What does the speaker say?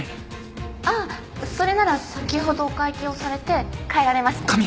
ああそれなら先ほどお会計をされて帰られました。